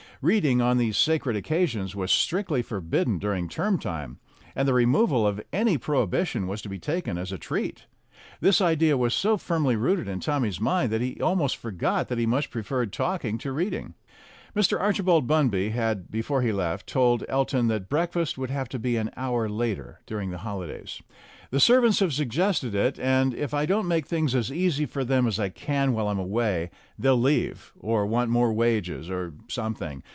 Reading on these sacred occasions was strictly forbidden during term time, and the removal of any prohibition was to be taken as a treat. This idea was so firmly rooted in Tommy's mind that he almost forgot that he much preferred talking to reading. Mr. Archibald Bunby had, before he left, told Elton that breakfast would have to be an hour later during the holidays. "The servants have suggested it, and if I don't make things as easy for them as I can while I'm away they'll leave, or want more wages, or something.